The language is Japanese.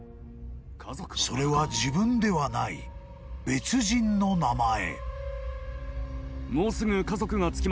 ［それは自分ではない別人の名前］